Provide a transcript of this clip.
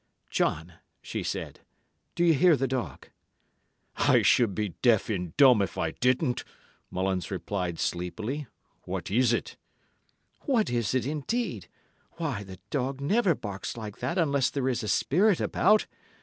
"John," she said, "do you hear the dog?" "I should be deaf and dumb if I didn't," Mullins replied sleepily. "What is it?" "What is it, indeed! Why the dog never barks like that unless there is a spirit about.